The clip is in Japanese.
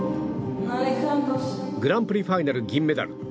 グランプリファイナル銀メダル。